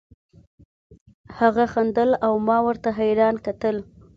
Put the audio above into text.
هغه خندل او ما ورته حيران کتل.